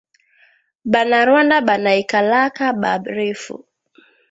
Ba na rwanda banaikalaka ba refu